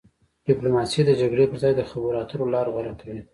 ډیپلوماسي د جګړې پر ځای د خبرو اترو لاره غوره کوي.